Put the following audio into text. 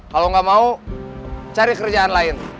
kalau nggak mau cari kerjaan lain